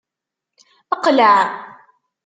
Qleɛ!